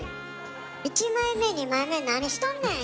７⁉１枚目２枚目何しとんねん！